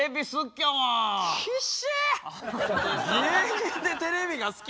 芸人でテレビが好き。